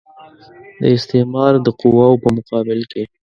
د استعمار د قواوو په مقابل کې.